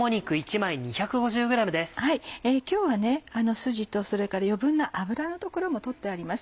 今日はスジとそれから余分な脂の所も取ってあります。